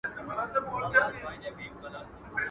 ځوانيمرگي اوړه څنگه اخښل كېږي.